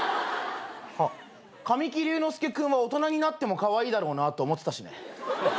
神木隆之介君は大人になってもカワイイだろうなと思ってたしね。